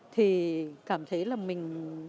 thì cảm thấy là mình